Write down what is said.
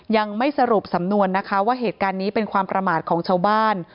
ยังไม่สรุปสำนวนนะคะว่าเหตุการณ์นี้เป็นความประมาทของชาวบ้าน